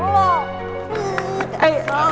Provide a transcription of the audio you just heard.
udah salah curang